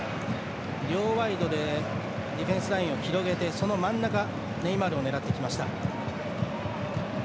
両ワイドでディフェンスラインを広げてその真ん中、ネイマールを狙っていきました。